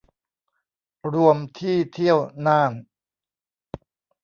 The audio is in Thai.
รวมที่เที่ยวน่าน